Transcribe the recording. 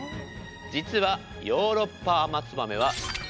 実はヨーロッパアマツバメはへえ。